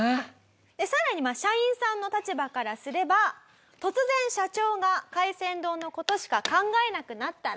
さらに社員さんの立場からすれば突然社長が海鮮丼の事しか考えなくなったら。